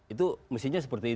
itu mestinya seperti ini